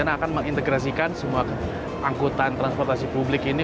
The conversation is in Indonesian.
akan mengintegrasikan semua angkutan transportasi publik ini